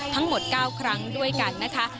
ทั้งหมด๙ครั้งด้วยกันนะคะ